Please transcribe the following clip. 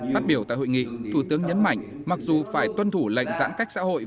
phát biểu tại hội nghị thủ tướng nhấn mạnh mặc dù phải tuân thủ lệnh giãn cách xã hội